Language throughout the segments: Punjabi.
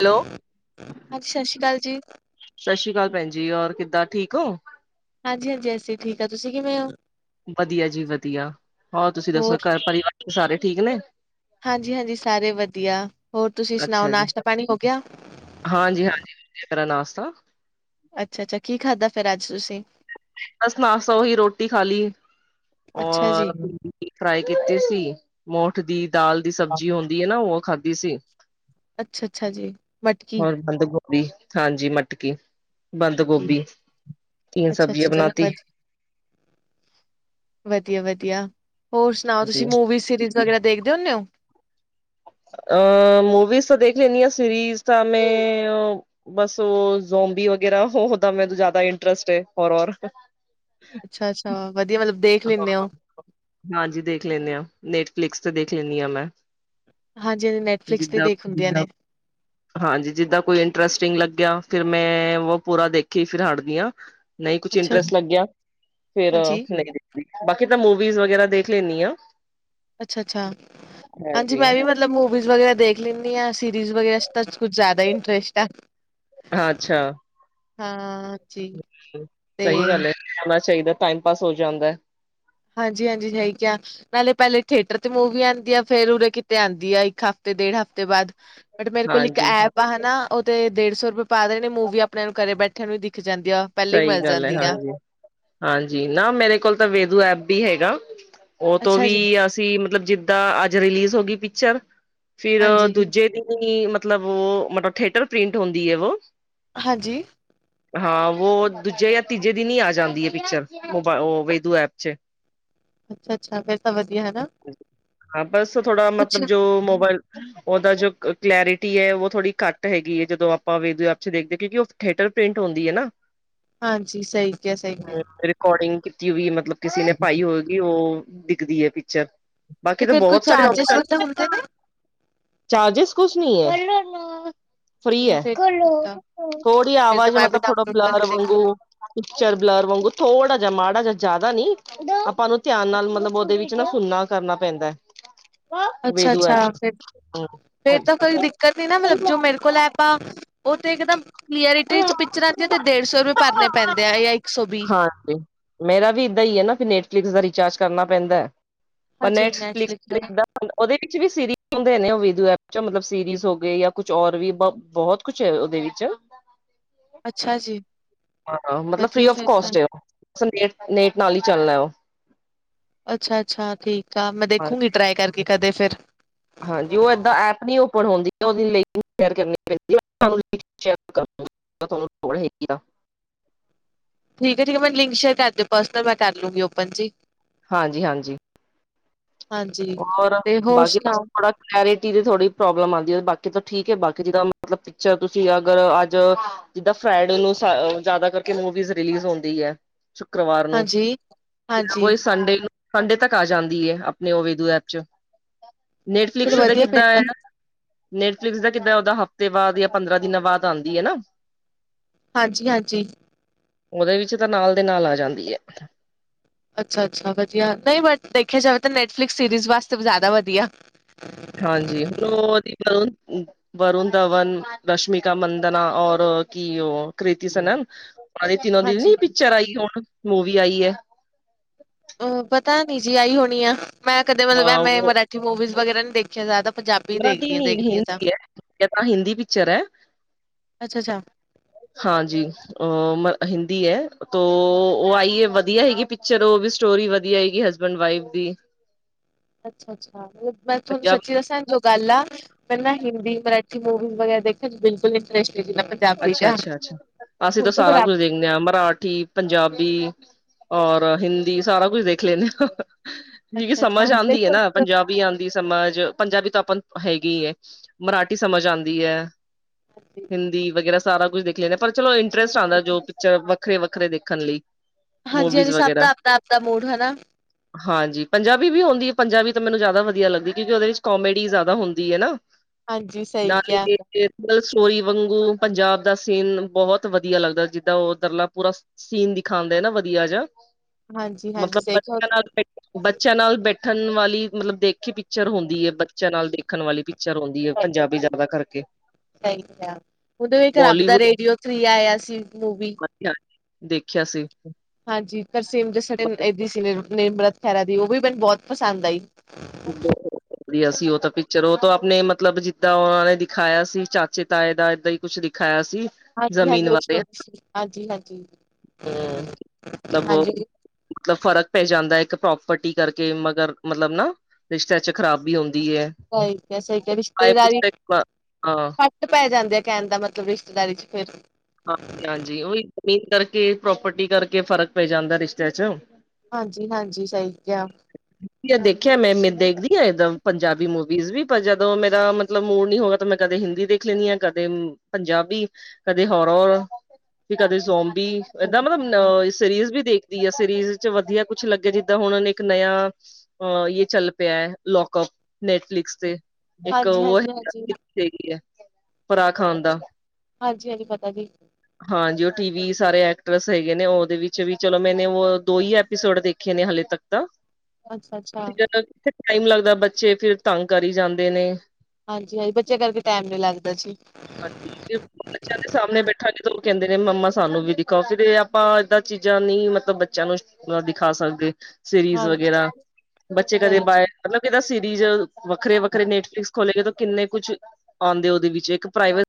ਹੈਲੋ, ਸਤਿ ਸ੍ਰੀ ਅਕਾਲ ਜੀ। ਸਤਿ ਸ੍ਰੀ ਅਕਾਲ ਭੈਣ ਜ ਔਰ ਕਿਦਾਂ ਠੀਕ ਹੋ। ਹਾਂਜੀ ਹਾਂਜੀ ਅਸੀ ਠੀਕ ਆ ਤੁਸੀ ਕਿਵੇ ਹੋ। ਵਧੀਆ ਜੀ ਵਧੀਆ ਹੋਰ ਤੁਸੀਂ ਦੱਸੋ ਘਰ ਪਰਿਵਾਰ ਸਾਰੇ ਠੀਕ ਨੇ। ਹਾਂਜੀ ਹਾਂਜੀ ਸਾਰੇ ਵਧੀਆ ਹੋਰ ਤੁਸੀਂ ਸੁਣਾਓ ਅੱਛਾ ਜੀ, ਨਾਸ਼ਤਾ ਪਾਣੀ ਹੋ ਗਿਆ। ਹਾਂਜੀ ਹਾਂਜੀ ਮੇਰਾ ਨਾਸ਼ਤਾ। ਅੱਛਾ ਅੱਛਾ ਕੀ ਖਾਧਾ ਫੇਿਰ ਅੱਜ ਤੁਸੀਂ। ਬਸ ਨਾਸਤਾ ਓਹਿ ਰੋਟੀ ਖਾ ਲਈ। ਅੱਛਾ ਜੀ ਔਰ ਫਰਾਈ ਕੀ ਕੀਤੀ ਸੀ ਮੋਠ ਦੀ ਦਾਲ ਦੀ ਸਬਜ਼ੀ ਹੁਣ। ਹੈ ਨਾ ਉਹ ਖਾਧੀ ਸੀ। ਅੱਛਾ ਅੱਛਾ ਜੀ ਮਟਕੀ। ਗਭੀ ਹਾਂਜੀ ਮਟਕੀ ਬੰਦ ਗੋਭੀ। ਤੀਨ ਅੱਛਾ ਸਬਜ਼ੀਆਂ ਅੱਛਾ ਚਲੋ ਬਣਾਤੀ। ਬਾਏ। ਵਧੀਆ ਵਧੀਆ ਹੋਰ ਸੁਣਾਓ ਜੀ ਤੁਸੀਂ ਮੂਵੀ ਸੀਰੀਜ਼। ਵਗੈਰਾ ਦੇਖਦੇ ਹੁੰਦੇ ਹੋ। ਅ ਮੂਵੀਜ਼ ਤਾਂ ਦੇਖ ਲੈਣੀ ਆ ਸਰੀਜ਼ ਤਾਂ ਮੈਂ। ਬਸ ਜ਼ੋਂਮਬੀ ਵਗੈਰਾ ਹੋਦਾ ਮੈਂ ਜ਼ਿਆਦਾ ਇੰਟਰਸਟ ਹੈ ਔਰ ਔਰ। ਅੱਛਾ ਅੱਛਾ ਵਧੀਆ ਮਤਲਬ। ਦੇਖ ਹਾਂ ਲੈਂਦੇ ਹੋ ਹਾਂਜੀ ਦੇਖ ਲੈਂਦੇ ਹਾਂ ਨੈਟਫਲਿਕਸ ਤੇ ਦੇਖ ਲੈਂਦੀ ਹਾਂ ਮੈਂ। ਹਾਂਜੀ ਹਾਂ ਨੈਟਫਲਿਕਸ ਦੀ ਜਿੱਦਾਂ ਦੇਖ ਹੁੰਦੀਆਂ ਨੇ। ਹਾਂਜੀ ਜਿੱਦਾਂ ਕੋਈ ਇੰਟਰਸਟਿੰਗ ਲੱਗਿਆ ਫਿਰ ਮੈਂ ਉਹ ਪੂਰਾ ਦੇਖੀ ਫਿਰ ਹਟਦੀ ਹਾਂ। ਨਹੀਂ ਕੁਛ ਅੱਛਾ ਇੰਟਰਸਟ ਲੱਗਿਆ ਫਿਰ ਹਾਂਜੀ ਨਹੀਂ ਬਾਕੀ ਤਾਂ ਮੂਵੀ ਵਗੈਰਾ ਦੇਖ ਲੈਂਦੀ ਆ। ਅੱਛਾ ਅੱਛਾ ਹਾਂਜੀ ਮੈਂ ਵੀ। ਮਤਲਬ ਮੁਵੀਜ਼ ਵਗੈਰਾ ਦੇਖ ਲੈਂਦੀ ਆ ਸਿਰਰੀਜ਼ ਵਗੈਰਾ ਤਾਂ ਕੁਛ ਜ਼ਿਆਦਾ ਇੰਟਰੇਸਟ ਆ। ਅੱਛਾ। ਹਾਂ। ਜੀ ਸਹੀ ਤੇ ਗੱਲ ਹੈ ਹੋਣਾ ਚਾਹੀਦਾ ਟਾਈਮ ਪਾਸ ਹੋ ਜਾਂਦਾ। ਹਾਂਜੀ ਹਾਂਜੀ ਰੈਗਾ। ਪਹਿਲੇ ਪਹਿਲੇ ਥੀਏਟਰ ਤੇ ਮੂਵੀ ਆਉਂਦੀ ਆ ਫੇਰ ਉਰੇ ਕਿਤੇ ਆਉਂਦੀ ਆ ਇੱਕ ਹਫਤੇ ਡੇਢ ਹਫ਼ਤੇ ਬਾਅਦ। ਬਟ ਮੇਰੇ ਕੋਲ ਇੱਕ ਹਾਂਜੀ ਐਪ। ਆਪਾਂ ਹਨਾ ਉਹ ਤੇ ਡੇਢ ਸੌ ਰੁਪਏ ਪਾ ਦੇਣੇ ਨੇ ਮੂਵੀ ਆਪਣੇ ਨੂੰ ਘਰੇ ਬੈਠਿਆਂ ਨੂੰ ਵੀ ਦਿਖ ਜਾਂਦੀ ਆ। ਪਹਿਲੇ ਹੀ ਸਹੀ ਮਿਲ ਗੱਲ ਹੈ ਜਾਂਦੀ ਆ ਹਾਂਜੀ। ਹਾਂਜੀ ਨਾ ਮੇਰੇ ਕੋਲ ਤਾਂ ਵੇਦੂ ਐਪ ਵੀ ਹੈਗਾ। ਉਹ ਤੋਂ ਅੱਛਾ ਵੀ ਜੀ ਅਸੀਂ। ਮਤਲਬ ਜਿੱਦਾਂ ਅੱਜ ਰਿਲੀਜ਼ ਹੋ ਗਈ ਪਿਕਚਰ ਫਿਰ ਹਾਂਜੀ-ਹਾਂਜੀ ਦੂਜੇ ਦਿਨ ਮਤਲਬ। ਮਤਲਬ ਉਹ, ਮਤਲਬ ਥੇਟਰ ਪ੍ਰਿੰਟ ਹੁੰਦੀ ਹੈ ਵੋ। ਹਾਂਜੀ ਹਾਂ, ਉਹ ਦੂਜੇ ਜਾਂ ਤੀਜੇ ਦਿਨ ਹੀ ਆ ਜਾਂਦੀ ਹੈ, ਪਿਕਚਰ ਬ ਵੇਦੂ ਐਪ 'ਚ ਅੱਛਾ -ਅੱਛਾ ਫੇਰ ਤਾਂ ਵਧੀਆ। ਹਨਾ ਹਾਂ ਬਸ ਥੋੜਾ ਕੁਛ ਮਤਲਬ ਜੋ, ਮੋਬਾਈਲ ਉਹਦਾ ਜੋ ਕਲੈਰਿਟੀ ਹੈ, ਉਹ ਥੋੜੀ ਘੱਟ ਹੈਗੀ ਹੈ, ਜਦੋਂ ਆਪਾਂ ਵੇਦੂ ਐ 'ਚ ਦੇਖਦੇ, ਕਿਉਂਕਿ ਥਏਟਰ ਪ੍ਰਿੰਟ ਹੁੰਦੀ ਹੈ ਨਾ। ਹਾਂਜੀ, ਸਹੀ ਕਿਹਾ, ਸਹੀ ਗਿਆ। ਰਿਕਾਰਡਿੰਗ ਕੀਤੀ ਹੋਈ ਮਤਲਬ ਕਿਸੇ ਨੇ ਪਾਈ ਹੋਵੇਗੀ। ਉਹ, ਦਿਖਦੀ ਹੈ, ਪਿਕਚਰ ਤੇ ਬਾਕੀ ਤਾਂ ਫੇਰ ਕੋਈ ਬਹੁਤ ਸਾਰੇ ਚਾਰਜਿਸ ਓਪਸ਼ਨ ਵਗੈਰਾ ਹੁੰਦੇ ਨੇ ਚਾਰਜਿਸ ਕੁਛ ਨੀ ਹੈ। ਫਰੀ ਅੱਛਾ ਹੈ, ਫੇਰ ਤਾਂ ਠੀਕ ਆ ਹੋੜੀ ਫੇਰ ਤਾਂ ਆਵਾਜ ਮੈਂ ਵੀ ਮਤਲਬ ਥੋੜਾ ਡਾਊਨਲੋਡ ਬਲਰ ਕਰਕੇ ਦੇਖੂ ਵਾਂਗੂ ਪਿਕਚਰ ਬਲਰ ਵਾਂਗੂ ਥੋੜਾ ਜ ਮਾੜਾ ਜਿ ਜ਼ਿਆਦਾ ਨੀ, ਆਪਾਂ ਉਹਨੂੰ ਧਿਆਨ ਨਾਲ ਮਤਲਬ ਉਹਦੇ ਵੀ ਉਹ 'ਚ ਨਾ ਸੁਣਨਾ ਕਰਨਾ ਪੈਂਦਾ। ਹੈ। ਅੱਛਾ ਵੇਦੂ -ਅੱਛਾ ਐਪ ਫਿਰ, ਫੇਰ ਤਾਂ ਕੋਈ ਦਿੱਕਤ ਨੀ ਨਾ ਮਤਲਬ, ਜੋ ਮੇਰੇ ਕੋਲ ਹੈ, ਐਪ ਆ ਉਹ ਤੇ ਇੱਕਦਮ, ਕਲੀਅਰਿਟੀ 'ਚ ਪਿਕਚਰਾਂ ਦੀ ਤੇ ਡੇਢ ਸੌ ਰੁਪਏ ਭਰਨੇ ਪੈਂਦੇ ਆ ਜਾਂ ਇੱਕ ਸੌ ਵੀ, ਹਾਂਜੀ ਮੇਰਾ ਵੀ ਇਏਦਾਂ ਹੀ ਹੈ ਨਾ, ਨੈਟਫਲਿਕਸ ਦਾ ਰਿਚਾਰਜ ਕਰਨਾ ਪੈਂਦਾ ਹੈ, ਪਰ ਨੈਟਫਲਿਕਸ ਦਾ ਉਹਦੇ ਵਿੱਚ ਵੀ ਸੀਰੀਜ਼ ਹੁੰਦੇ ਨੇ, ਉਹ ਵੀਦੂ ਐਪ 'ਚ ਮਤਲਬ ਸੀਰੀਜ਼ ਹੋ ਗਏ ਜਾਂ ਕੁਛ ਹੋਰ ਵੀ ਬ ਬਹੁਤ ਕੁਛ ਉਹਦੇ ਵਿੱਚ ਅੱਛਾ ਜੀ। ਹਾਂ, ਮਤਲਬ ਫਰੀ ਵਧੀਆ ਆਫ ਫਿਰ ਤਾਂ ਕੋਸਟ ਹੈ, ਨੇਟ ਨਾਲ ਹੀ ਚੱਲਣਾ ਉਹ। ਅੱਛਾ- ਅੱਛਾ, ਠੀਕ ਆ, ਮੈਂ ਦੇਖੂੰਗੀ ਟਰਾਈ ਕਰਕੇ ਕਦੇ ਫਿਰ। ਹਾਂਜੀ, ਉਹ ਏਦਾਂ ਐਪ ਨ ਓਪਨ ਹੁੰਦੀ ਉਹਦੀ ਲਕਰ ਕਰਨੀ ਪੈਂਦੀ। [unintelligible] ਤੁਹਾਨੂੰ ਹੈਗੀ ਆ। ਠੀਕ ਹੈ ਠੀਕ ਮੈਂ ਲਿੰਕ ਸੇਅਰ ਕਰ ਦਿਓ ਪਰਸਨਲ, ਮੈਂ ਕਰ ਲੂੰਗੀ ਓਪਨ ਜੀ। ਹਾਂਜੀ- ਹਾਂਜੀ। ਹਾਂਜੀ ਘੁੰਮਣ, ਤੇ ਹੋਰ ਬਾਕੀ ਦਾ ਸ ਸੁਣਾਓ ਬੜਾ। ਰੇਟੀ ਦੀ ਥੋੜੀ ਪ੍ਰੋਬਲਮ ਆਉਂਦੀ, ਬਾਕੀ ਤੋਂ ਠੀਕ ਹੈ ਬਾਕੀ ਜੀਦਾਂ ਮਤਲਬ। ਪੁਛਿਆ, ਤੁਸੀਂ ਅਗਰ ਅੱਜ। ਜਿਦਾਂ ਫਰਾਈ ਡੇ ਨੂੰ, ਜ਼ਿਆਦਾ ਕਰਕੇ ਮੂਵੀਜ਼ ਰਿਲੀਜ਼ ਹੁੰਦੀ ਹੈ। ਸ਼ੁੱਕਰਵਾਰ ਨੂੰ, ਹਾਂਜੀ ਹਾਂਜੀ ਕੋਈ ਸੰਡੇ ਨੂੰ। ਹਡੇ ਤੱਕ ਆ ਜਾਂਦੀ ਹੈ ਆਪਣੇ ਵਦੂ ਐਪ 'ਚ, ਚਲੋ ਨੈਟਫਲਿਕਸ ਦਾ ਵਧੀਆ ਫਿਰ ਕਿੱਦਾਂ ਆ। ਤਾਂ ਨੈਟਫਲਿਕਸ ਦਾ ਕਿੱਦਾਂ ਉਹਦਾ ਹਫ਼ਤੇ ਬਾਅਦ ਜਾਂ ਪੰਦਰਾਂ ਦਿਨਾਂ ਬਾਅਦ ਆਉਂਦੀ ਹੈ ਨਾ। ਹਾਂਜੀ -ਹਾਂਜੀ। ਉਹਦੇ ਵਿੱਚ ਤਾਂ ਨਾਲ ਦੇ ਨਾਲ ਆ ਜਾਂਦੀ ਹੈ। ਅੱਛਾ- ਅੱਛਾ, ਵਧੀਆ ਨਹੀਂ, ਵੈਸੇ ਦੇਖਿਆ ਜਾਵੇ ਨੈਟਫਲਿਕਸ ਸੀਰੀ ਵਾਸਤੇ ਜਿਆਦਾ ਵਧੀਆ। ਹਾਂਜੀ, ਹੁਣ ਉਹਦੀ। ਵਰੁਣ ਧਵਨ, ਰਸ਼ਮੀਿਕਾ ਮੰਦਨਾ ਔਰ ਕੀ ਉਹ। ਕ੍ਰਿਤੀ ਸਹਨ ਆ, ਤਿੰਨੋ ਦਿਨ ਹਾਂਜੀ ਨ ਪਿਕਚਰ ਆਈ ਹੁਣ, ਮੂਵੀ ਆਈ ਹੈ। ਅ ਪਤਾ ਨੀ ਜੀ ਆਈ ਹੋਣੀ ਆ, ਮੈਂ ਕਦੇ ਹਾਂ ਮਤਲਬ ਮੈਂ ਉਹ ਮਰਾਠੀ ਮੂਵੀਜ਼ ਵਗੈਰਾ ਨੀ ਦੇਖਿਆ ਜ਼ਿਆਦਾ। ਪੰਜਾਬੀ ਮਰਾਠੀ ਦੇਖਦੀ ਆ ਨੀ ਦੇਖਦੀ ਆ ਤਾਂ ਹਿੰਦੀ ਹੈ, ਤਾਂ ਹਿੰਦੀ ਪਿਕਚਰ ਹੈ‌। ਅੱਛਾ-ਅੱਛਾ। ਹਾਂਜੀ। ਅ ਹਿੰਦੀ ਹੈ, ਤੋ ਉਹ ਆਈ ਹੈ ਵਧੀਆ ਹੈਗੀ ਪਿਕਚਰ ਉਹ ਵੀ ਸਟੋਰੀ ਵਧੀਆ ਹੈਗੀ। ਹਸਬੈਂਡ ਵਾਈਫ ਦੀ। ਅੱਛਾ- ਅੱਛਾ, ਮੈਂ ਤੁਹਾਨੂੰ ਸੱਚੀ ਪੰਜਾਬੀ ਦੱਸਾਂ ਲੋਕ। ਗੱਲ ਆ ਮੈਂ ਨਾ ਹਿੰਦੀ ਮਰਾਠੀ ਮੂਵੀਜ਼ ਵਗੈਰਾ ਦੇਖਣ ਬਿਲਕੁਲ ਰਿਸ਼ਤੇ ਵੀ ਨਾ ਪੰਜਾਬੀ ਚ [unintelligible] ਖਰਾਬ। ਨਿਆ ਮਰਾਠੀ, ਪੰਜਾਬੀ ਔਰ ਹਿੰਦੀ ਸਾਰਾ ਕੁਝ ਦੇਖ ਲੈਂਨੇ ਆਂ, ਕਿਓਂਕਿ ਅੱਛਾ-ਅੱਛਾ ਸਮਝ ਹੁਣ ਆਂਦੀ ਐ ਦੇਖੋ ਨਾ ਪੰਜਾ ਇੱਕ ਪੰਜਾਬੀ ਆਂਦੀ ਏ ਸਮਝ ਪੰਜਾਬੀ ਤੋਂ ਆਪਾਂ ਹੈਗੀ ਐ ਮਰਾਠੀ ਸਮਝ ਆਂਦੀ ਐ। [inaudible] ਹਿੰਦੀ ਵਗੈਰਾ ਸਾਰਾ ਕੁਝ ਦੇਖ ਲੈਂਦੇ ਆ, ਪਰ ਚਲੋ ਇੰਟਰਸਟ ਆਂਦਾ ਜੋ ਪਿਕਚਰ ਵੱਖਰੇ-ਵੱਖਰੇ ਦੇਖਣ ਲਈ। ਹਾਂਜੀ ਮੂਵੀਜ਼ -ਹਾਂਜੀ, ਸਭ ਵਗੈਰਾ ਦਾ ਆਪਦਾ-ਆਪਦਾ ਮੂਡ ਹਨਾ। ਹਾਂਜੀ ਪੰਜਾਬੀ ਵੀ ਔਂਦੀ ਐ ਪੰਜਾਬੀ ਤਾਂ ਮੈਨੂੰ ਜ਼ਾਦਾ ਵਧੀਆ ਲੱਗਦੀ ਕਿਉਂਕਿ ਓਦੇ ਵਿੱਚ ਕੋਮੇਡੀ ਜ਼ਾਦਾ ਹੁੰਦੀ ਐ ਨਾ। ਹਾਂਜੀ ਸਹੀ ਕਿਹਾ। [unintelligible] ਸੋਈ ਵੰਗ ਊਂ ਪੰਜਾਬ ਦਾ ਸੀਨ ਬਹੋਤ ਵਦੀਆ ਲੱਗਦਾ ਜਿੱਦਾਂ ਓ ਦਰਲਾ ਪੂਰਾ ਸੀਨ ਦਿਖਾਂਦਾ ਨਾ ਵਦੀਆ ਜਾ, ਹਾਂਜੀ-ਹਾਂਜੀ ਮਤਲਬ ਸਹੀ ਕਿਹਾ, ਬੱਚਿਆਂ ਨਾਲ ਬੈਠੇ ਬੱਚਿਆਂ ਨਾਲ ਬੈਠਨ ਵਾਲੀ ਮਤਲਬ ਦੇਖੀ ਪਿਕਚਰ ਹੁੰਦੀ ਐ। ਬੱਚਿਆਂ ਨਾਲ ਦੇਖਣ ਵਾਲੀ ਪਿਕਚਰ ਔਂਦੀ ਐ ਪੰਜਾਬੀ ਜ਼ਾਦਾ ਕਰਕੇ। ਹੈਗੀ ਆ, ਓਦੋਂ ਇੱਕ ਰੱਬ ਦਾ ਬੋਲੀਵੁੱਡ ਰੇਡੀਓ ਥਰੀ ਆਏਆ ਸੀ ਮੂਵੀ। ਦੇਖਿਆ ਸੀ। ਹਾਂਜੀ ਤਰਸੇਮ ਜੱਸੜ ਦੇ ਏਦੀ ਸੀ ਨਿਮਰਤ ਖਹਿਰਾ ਦੀ ਓਵੀ ਮੈਨੂੰ ਬੋਤ ਪਸੰਦ ਆਈ। ਵਦੀਆ ਸੀ ਓ ਤਾਂ ਪਿਕਚਰ ਓ ਤਾਂ ਆਪਨੇ ਮਤਲਬ ਜਿੱਦਾਂ ਓਨਾਂ ਨੇ ਦਿਖਾਏਆ ਸੀ ਚਾਚੇ ਤਾਏ ਦਾ ਏਦਾਂ ਈ ਕੁਛ ਦਿਖਾਇਆ ਸੀ। ਹਾਂਜੀ- ਹਾਂਜੀ ਜ਼ਮੀਨ ਬਾਰੇ [unintelligible] ਹਾਂਜੀ-ਹਾਂਜੀ-ਹਾਂਜੀ। ਹਮ ਮਤਲਬ ਉਹ ਮਤਲਬ ਫ਼ਰਕ ਪੈ ਜਾਂਦਾ ਇੱਕ ਪ੍ਰੋਪਰਟੀ ਕਰਕੇ ਮਗਰ ਮਤਲਬ ਨਾ ਰਿਸ਼ਤਿਆਂ ਚ ਖ਼ਰਾਬੀ ਔਂਦੀ ਐ। ਸਈ ਕਿਆ-ਸਈ ਕਿਆ ਰਿਸ਼ਤੇਦਾਰੀ ਹਾਂ ਫਰਕ ਪੈ ਜਾਂਦੈ ਕੈਨ ਦਾ ਮਤਲਬ ਰਿਸ਼ਤੇਦਾਰੀ ਚ ਫੇਰ। ਹਾਂਜੀ-ਹਾਂਜੀ ਓਈ ਜ਼ਮੀਨ ਕਰਕੇ ਪ੍ਰੋਪਰਟੀ ਕਰਕੇ ਫ਼ਰਕ ਪੈ ਜਾਂਦੈ ਰਿਸ਼ਤਿਆਂ ਚ। ਹਾਂਜੀ-ਹਾਂਜੀ ਸਈ ਕਿਆ ਦੇਖਿਆ ਮੈਂ ਦੇਖਦੀ ਆਂ ਇਕਦਮ ਪੰਜਾਬੀ ਮੂਵੀਜ਼ ਵੀ ਪਰ ਜਦੋਂ ਮੇਰਾ ਮਤਲਬ ਮੂਡ ਨੀ ਹੋਊਗਾ ਤਾਂ ਮੈਂ ਕਦੇ ਹਿੰਦੀ ਦੇਖ ਲਿੰਨੀਆਂ ਕਦੇ ਪੰਜਾਬੀ ਕਦੇ ਹੋਰਰ ਤੇ ਕਦੇ ਸੋਂਬੀ ਏਦਾਂ ਹਾਂਜੀ ਮਤਲਬ ਅ ਸੀਰੀਅਲ ਵੀ ਦੇਖਦੀ ਆ ਸੀਰੀਜ਼ ਚ ਵਦੀਆ ਕੁਛ ਲੱਗੇ ਜਿੱਦਾਂ ਹੁਨ ਇੱਕ ਨਿਆ ਅ ਏ ਚੱਲ ਪਿਆ ਐ ਲੌਕਅਪ ਨੈਟਫਲਿਕਸ ਤੇ ਇੱਕ ਹਾਂਜੀ ਓ ਹੈਗਾ ਹਾਂਜੀ। ਦੇਖਦੀ ਆਂ ਫਰਾ ਖਾਨ ਦਾ ਹਾਂਜੀ-ਹਾਂਜੀ ਪਤਾ ਜੀ। ਹਾਂਜੀ ਓ ਟੀ ਵੀ ਸਾਰੇ ਐਕਟਰਸ ਹੈਗੇ ਨੇ ਓਦੇ ਵਿੱਚ ਵੀ ਚਲੋ ਮੈਨੇ ਓ ਦੋ ਈ ਐਪੀਸੋਡ ਦੇਖੇ ਦੇਖੇ ਨੇ ਹਲੇੇ ਤੱਕ ਤਾਂ। ਅੱਛਾ-ਅੱਛਾ। ਫਿਰ ਕਿੱਥੇ ਟਾਈਮ ਲੱਗਦਾ ਬੱਚੇ ਫਿਰ ਤੰਗ ਕਰੀ ਜਾਂਦੇ ਨੇ। ਹਾਂਜੀ-ਹਾਂਜੀ ਬੱਚਿਆਂ ਕਰਕੇ ਟੈਮ ਨੀ ਲੱਗਦਾ ਜੀ। [inaudible] ਸਾਮਣੇ ਬੈਠਾਂਗੇ ਤੇ ਓ ਕੈਂਦੇ ਨੇ ਮੰਮਾ ਸਾਨੂੰ ਵੀ ਦਿਖਾਓ ਫਿਰ ਤੇ ਆਪਾਂ ਏਦਾਂ ਚੀਜ਼ਾਂ ਨੀ ਮਤਲਬ ਬੱਚਿਆਂ ਨੂੰ ਓ ਦਿਖਾ ਸਕਦੇ। ਸੀਰੀਜ਼ ਹਾਂਜੀ ਵਗੈਰਾ ਬੱਚੇ ਕਦੇ ਸਹੀ ਬਾਏ ਮਤਲਬ ਕਿਦਾ ਸੀਰੀਜ਼ ਵੱਖਰੇ- ਵੱਖਰੇ ਨੈਟਫਲਿਕਸ ਖੋਲੇ ਗਏ ਕਿੰਨੇ ਕੁੱਛ ਔਂਦੇ ਓਦੇ ਵਿੱਚ ਇੱਕ ਪ੍ਰਾਈਵੇਟ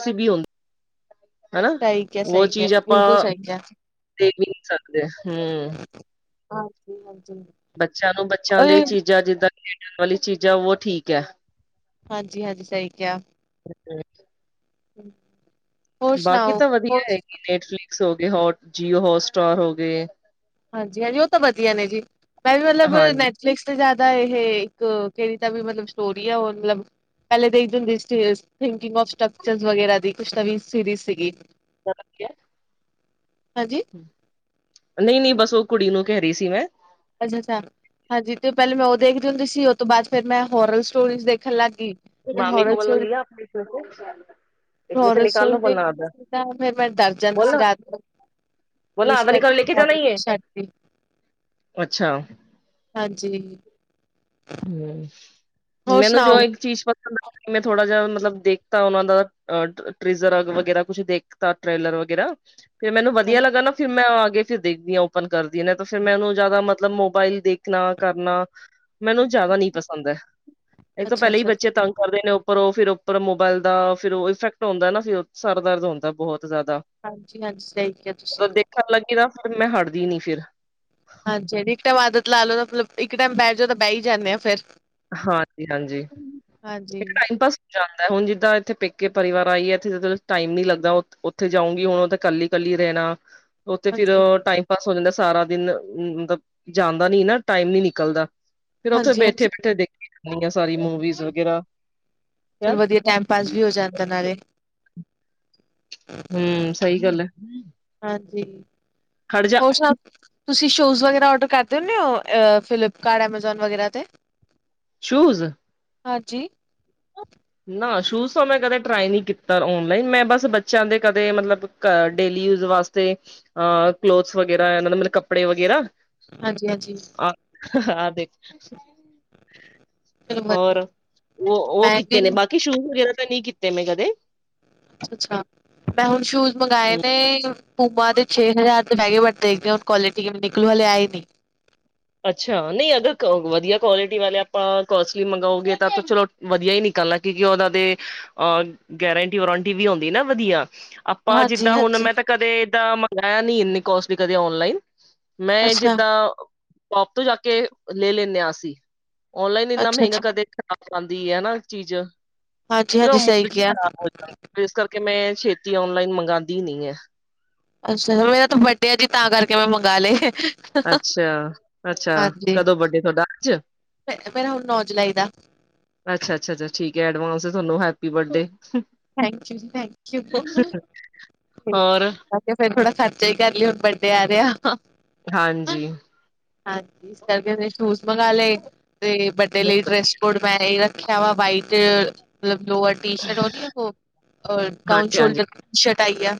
ਕੁਛ ਵੀ ਹੁੰਦਾ, ਹਨਾ ਸਹੀ ਕਿਹਾ ਓ ਸਹੀ ਚੀਜ਼ ਕਿਹਾ ਆਪਾਂ ਬਿਲਕੁਲ ਸਹੀ ਕਿਹਾ ਦੇਖ ਵੀ ਨੀ ਸਕਦੇ ਆਂ, ਹੂੰ। ਹਾਂਜੀ ਹਾਂਜੀ ਬੱਚਿਆਂ ਨੂੰ ਬੱਚਿਆਂ ਦੀ ਚੀਜ਼ਾਂ ਜਿੱਦਾਂ ਖੇਡਣ ਵਾਲੀਆਂ ਚੀਜ਼ਾਂ ਉਹ ਠੀਕ ਹੈ ਹਾਂਜੀ ਹਾਂਜੀ ਸਹੀ ਕਿਹਾ ਇਹਦੇ ਵਿੱਚ [inaudible] ਬਾਕੀ ਤਾਂ ਵਧੀਆ ਹੈਗੀ ਹੋਰ ਨੈਟਫਲਿਕਸ ਹੋ ਗਏ ਹੋਟ ਜੀਓ ਹੋਟਸਟਾਰ ਹੋ ਗਏ ਹਾਂਜੀ ਹਾਂਜੀ ਉਹ ਤਾਂ ਵਧੀਆ ਨੇ ਜੀ ਮੈਂ ਵੀ ਮਤਲਬ ਹਾਂਜੀ ਨੈਟਫਲਿਕਸ ਜਿਆਦਾ ਇਹ ਇੱਕ ਕਿਹੜੀ ਦਾ ਵੀ ਮਤਲਬ ਸਟੋਰੀ ਆ ਉਹ ਮਤਲਬ ਪਹਿਲੇ ਦੇਖਦੇ ਹੁੰਦੀ ਥਿੰਕਕਿੰਗ ਆਫ ਸਟਕਚਰ ਵਗੈਰਾ ਦੀ ਕੁਛ ਨਵੀਂ ਸੀਰੀਜ਼ ਸੀਗੀ ਪਤਾ ਲੱਗ ਗਿਆ ਹਾਂਜੀ ਨਹੀਂ ਨਹੀਂ ਬਸ ਉਹ ਕੁੜੀ ਨੂੰ ਕਹਿ ਰਹੀ ਸੀ ਮੈਂ ਅੱਛਾ ਅੱਛਾ ਹਾਂਜੀ ਤੇ ਉਹ ਪਹਿਲੇ ਮੈਂ ਉਹ ਦੇਖਦੀ ਹੁੰਦੀ ਸੀ ਉਹ ਤੋਂ ਬਾਅਦ ਫਿਰ ਮੈਂ ਹੋਰਰ ਸਟੋਰੀਜ਼ ਦੇਖਣ ਲੱਗ ਗਈ ਫਿਰ ਮਾਮੀ ਕੋ ਹੋਰਲ ਬੋਲਨਾ ਲਿਆ ਆਪਕੇ ਟੀਚਰ ਕੋ। ਹੋਰੋਰ ਸਟੋਰੀ ਦੇਖ ਕੇ ਫੇਿਰ ਮੈਂ ਡਰ ਜਾਂਦੀ ਸੀ ਰਾਤ ਨੂੰ ਵੀ ਸਟੈਪ ਹੋਰ ਮੂਵੀ ਸਾਈਡ ਅੱਛਾ ਹਾਂਜੀ ਹੂੰ ਹੋਰ ਮੈਨੂੰ ਜੋ ਸੁਣਾਓ ਇੱਕ ਚੀਜ਼ ਪਤਾ ਲਗਾ ਮੈਂ ਥੋੜਾ ਜ ਮਤਲਬ ਦੇਖਤਾ ਉਹਨਾਂ ਦਾ ਟ੍ਰਜ਼ਰ ਵਗੈਰਾ ਕੁਛ ਦੇਖਤਾ ਟ੍ਰੇਲਰ ਵਗੈਰਾ ਫਿਰ ਮੈਨੂੰ ਵਧੀਆ ਲੱਗਾ ਨਾ ਫਿਰ ਮੈਂ ਆ ਫਿਰ ਦੇਖਦੀ ਹਾਂ ਓਪਨ ਕਰਦੀ ਹ ਨੇ ਤੇ ਫਿਰ ਮੈਂ ਉਹਨੂੰ ਜਿਆਦਾ ਮਤਲਬ ਮੋਬਾਈਲ ਦੇਖਣਾ ਕਰਨਾ ਮੈਨੂੰ ਜ਼ਿਆਦਾ ਨਹੀਂ ਪਸੰਦ ਹੈ ਇਕ ਤੇ ਪਹਿਲੇ ਹੀ ਅੱਛਾ-ਅੱਛਾ ਬੱਚੇ ਤੰਗ ਕਰਦੇ ਨੇ ਉੱਪਰ ਉਹ ਫਿਰ ਉੱਪਰ ਮੋਬਾਇਲ ਦਾ ਫਿਰ ਉਹ ਇਫੈਕਟ ਹੁੰਦਾ ਨਾ ਫਿਰ ਸਰ ਦਰਦ ਹੁੰਦਾ ਬਹੁਤ ਜ਼ਿਆਦਾ ਹਾਂਜੀ ਹਾਂਜੀ ਸਹੀ ਕਿਹਾ ਤੁਸੀਂ ਮਤਲਬ ਕਿ ਲੱਗੀ ਤਾਂ ਫਿਰ ਮੈਂ ਹਟ ਦੀ ਨਹੀਂ ਫ਼ਿਰ ਹਾਂਜੀ ਇੱਕ ਟਾਈਮ ਆਦਤ ਲਾ ਲਓ ਤਾਂ ਮਤਲਬ ਇੱਕ ਟਾਈਮ ਬਹਿਠ ਜਾ ਤਾਂ ਬਹਿ ਹੀ ਜਾਂਦੇ ਹਾਂ ਫਿਰ ਹਾਂਜੀ ਹਾਂਜੀ ਹਾਂਜੀ ਏਕ ਟਾਈਮ ਪਾਸ ਜਾਂਦਾ ਹੁਣ ਜਿੱਦਾਂ ਇੱਥੇ ਪੇਕੇ ਪਰਿਵਾਰ ਆਈ ਹੈ ਇੱਥੇ ਜ ਟਾਈਮ ਨੀ ਲੱਗਦਾ ਉੱਥੇ ਜਾਉਂਗੀ ਹੁਣ ਉਹ ਤਾਂ ਕੱਲੀ ਕੱਲੀ ਰਹਿਣਾ ਉੱਥੇ ਫੇਰ ਹਾਂਜੀ ਟਾਈਮ ਬਸ ਹੋ ਜਾਂਦਾ ਸਾਰਾ ਦਿਨ ਮਤਲਬ ਜਾਂਦਾ ਨੀ ਨਾ ਟਾਈਮ ਨੀ ਨਿਕਲਦਾ ਫੇਿਰ ਉੱਥੇ ਹਾਂਜੀ ਹਾਂਜੀ ਬੈਠੇ ਉੱਥੇ ਦੇਖ ਕੇਦੀ ਆ ਸਾਰੀ ਮੂਵੀਜ਼ ਵਗੈਰਾ ਚਲੋ ਵਧੀਆ ਟਾਈਮ ਪਾਸ ਵੀ ਹੋ ਜਾਂਦਾ ਨਾਲੇ। ਹਮ ਸਈ ਗੱਲ ਏ। ਹਾਂਜੀ ਹੋਰ ਸਬ ਤੁਸੀਂ ਸ਼ੂਜ਼ ਵਗੈਰਾ ਓਰਡਰ ਕਰ ਦੇਨੈ ਓ ਫਲਿਪਕਾਰਟ ਐਮਾਜੋਨ ਵਗੈਰਾ ਤੇ। ਸ਼ੂਜ਼ ਹਾਂਜੀ ਨਾ ਸ਼ੂਜ ਤੋਂ ਮੈਂ ਕਦੇ ਟਰਾਈ ਨੀ ਕੀਤਾ ਓਨਲਾਈਨ ਮੈਂ ਬਸ ਬੱਚਿਆਂ ਦੇ ਕਦੇ ਮਤਲਬ ਅ ਡੇਲੀ ਯੂਜ ਵਾਸਤੇ ਅ ਕਲੋਥਸ ਵਗੈਰਾ ਇਹਨਾਂ ਦੇ ਮਤਲਬ ਕੱਪੜੇ ਵਗੈਰਾ ਹਾਂਜੀ, ਹਾਂਜੀ ਹਾਂ ਦੇਖ ਚਲੋ ਵਧੀਆ ਹੋਰ ਉਹ ਉਹ ਮੈਂ ਕਿ ਵੀ ਬਾਕੀ ਸ਼ੂਜ਼ ਵਗੈਰਾ ਤਾਂ ਨਹੀਂ ਕੀਤੇ ਮੈਂ ਕਦੇ ਅੱਛਾ ਮੈਂ ਹੁਣ ਸ਼ੂਜ ਮੰਗਵਾਏ ਹੂੰ ਨੇ ਪੂਮਾ ਦੇ ਛੇ ਹਜ਼ਾਰ ਬੈਗੇ ਹੀ ਬੱਦੇਏ ਇੱਕ ਕਆਲਿਟੀ ਕਿ ਨਿਕਲੂ ਵਾਲੇ ਆਏ ਨੀਂ ਅੱਛਾ ਨਈ ਅਗਰ ਕੋ ਵਧੀਆ ਕੁਆਲਿਟੀ ਵਾਲੇ ਆਪਾਂ ਕੋਸਟਲੀ ਮੰਗਾਓਗੇ ਤਾਂ ਚਲੋ ਵਧੀਆ ਹੀ ਨਿਕਲਣਾ ਕਿਉਂਕਿ ਓਨਾ ਤੇ ਅਹ ਗਰੰਟੀ ਵਰੰਟੀ ਵੀ ਆਉਂਦੀ ਨਾ ਵਧੀਆ। ਆਪਾਂ ਹਾਂਜੀ ਜਿੱਦਾਂ ਹੁਣ ਹਾਂਜੀ ਮੈਂ ਤਾਂ ਕਦੇ ਏਦਾਂ ਮੰਗਾਇਆ ਨੀ ਇੰਨੀ ਕੋਸਟ ਵੀ ਕਦੇ ਔਨਲਾਈਨ। ਮੈਂ ਅੱਛਾ ਜਿੱਦਾਂ ਸ਼ੋਪ ਤੋਂ ਜਾ ਕੇ ਲੈ ਲੈਂਨੇ ਆ ਅਸੀਂ ਓਨਲਾਈਨ ਇੰਨਾ ਅੱਛਾ ਮਹਿੰਗਾ ਅੱਛਾ ਕਦੇ ਆਦੀ ਐ ਨਾ ਚੀਜ਼ ਹਾਂਜੀ ਫਿਰ ਓ ਹਾਂਜੀ ਮੂਡ ਸਹੀ ਈ ਕਿਹਾ ਖਰਾਬ ਹੋ ਜਾਦਾ। ਇਸ ਕਰਕੇ ਮੈਂ ਛੇਤੀ ਔਨਲਾਈਨ ਮੰਗਾਦੀ ਨੀ ਐ। ਅੱਛਾ-ਅੱਛਾ ਮੇਰਾ ਤਾਂ ਬੱਡੇ ਆ ਜੀ ਤਾਂ ਕਰਕੇ ਮੈਂ ਮੰਗਵਾ ਲਏ। ਅੱਛਾ-ਅੱਛਾ ਹਾਂਜੀ, ਕਦੋਂ ਵੱਡੇ ਤੁਹਾਡਾ ਅੱਜ? ਮੇਰਾ ਹੁਣ ਨੌ ਜਲਾਈ ਦਾ। ਅੱਛਾ-ਅੱਛਾ ਠੀਕ ਏ ਐਡਵਾਸਂ ਤੁਹਾਨੂੰ happy birthday. Thank you thank you ਹੋਰ ਕੇ ਫੇਰ ਥੋੜਾ ਖਰਚਾ ਹੀ ਕਰ ਲਈਏ ਹੁਣ ਵੱਡੇ ਆ ਰੀਆ ਹਾਂਜੀ ਹਾਂਜੀ ਇਸ ਕਰਕੇ ਮੈ ਸ਼ੂਜ ਮੰਗਾ ਲਏ ਤੇ ਵੱਡੇ ਲਈ ਹਾਂਜੀ, ਡਰੈਸ ਟ ਮੈਂ ਏਈ ਰੱਖਿਆ ਵਾ ਬਾਈਟ ਚ ਮਤਲਬ ਲੋਅਰ ਟੀ ਸ਼ਰਟ ਹੋਦੀ ਓ, ਓ ਔਰ ਡਾਊਨ ਹਾਂਜੀ, ਸ਼ੋਲਡਰ ਟੀ ਸ਼ਰਟ ਆਈ ਆ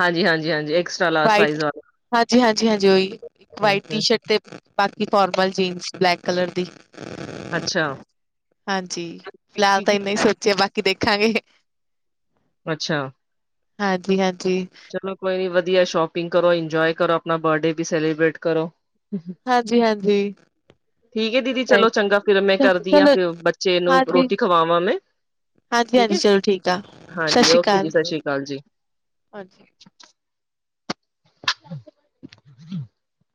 ਹਾਂਜੀ, ਹਾਂਜੀ, ਹਾਂਜੀ ਐਕਸਟਰਾ ਲਾਰਜ ਵਾਈਟ ਸਾਈਜ਼ ਵਾਲਾ ਹਾਂਜੀ-ਹਾਂਜੀ-ਹਾਂਜੀ ਓਈ। ਹੂੰ, ਟੀ ਹੂੰ ਸ਼ਰਟ ਤੇ ਬਾਕੀ ਫੋਰਮਲ ਜੀਨਸ ਬਲੈਕ ਕਲਰ ਦੀ ਅੱਛਾ। ਹਾਂਜੀ ਫਿਲਹਾਲ ਤਾਂ ਇਨਾ ਈ ਸੋਚਿਆ ਬਾਕੀ ਦੇਖਾਂਗੇ। ਅੱਛਾ। ਹਾਂਜੀ-ਹਾਂਜੀ। ਚਲੋ ਕੋਈ ਨੀ ਵਧੀਆ ਸ਼ੋਪਿੰਗ ਕਰੋ ਇੰਜੋਏ ਕਰੋ ਆਪਣਾ ਬਰਡੇ ਵੀ ਸੈਲੀਬ੍ਰੇਟ ਕਰੋ। ਹਾਂਜੀ-ਹਾਂਜੀ। ਠੀਕ ਆ ਦੀਦੀ ਚਲੋ ਚੰਗਾ ਫੇਿਰ ਮੈਂ ਯੂ। ਕਰਦੀ ਹਾਂ ਚਲੋ ਫ ਬੱਚੇ ਨੂੰ ਹਾਂਜੀ ਰੋਟੀ ਖਵਾਵਾਂ ਮੈਂ। ਠੀਕ ਹਾਂਜੀ-ਹਾਂਜੀ ਹੈ। ਚਲੋ ਠੀਕ ਆ ਸਤਿ ਹਾਂਜੀ ਸ਼੍ਰੀ ਓਕੇ ਜੀ ਅਕਾਲ ਸਤਿ ਸ਼੍ਰੀ ਅਕਾਲ ਜੀ। ਹਾਂਜੀ। [inaudible]